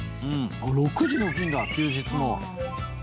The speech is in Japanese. ６時に起きんだ休日も。